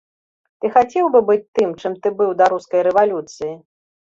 Ты хацеў бы быць тым, чым ты быў да рускай рэвалюцыі?